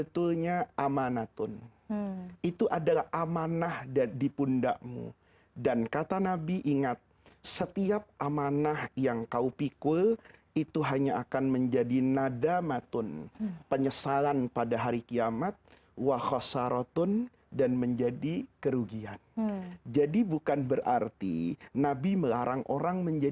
tidak bisa tidur